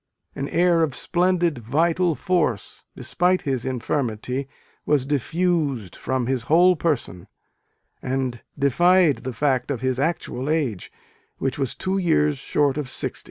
An air of splendid vital force, despite his infirmity, was diffused from his whole person, and defied the fact of his actual age, which was two years short of sixty.